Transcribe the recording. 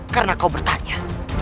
karena kau bertanya